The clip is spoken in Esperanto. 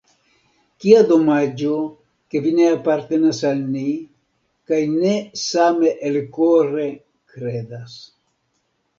Kia domaĝo, ke vi ne apartenas al ni kaj ne same elkore kredas.